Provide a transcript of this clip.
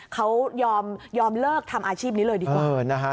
เขายอมเลิกทำอาชีพนี้เลยดีกว่านะฮะ